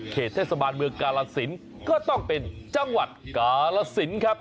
เหตุเทศบาลเมืองกาลสินก็ต้องเป็นจังหวัดกาลสินครับ